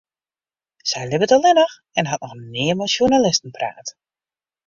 Sy libbet allinnich en hat noch nea mei sjoernalisten praat.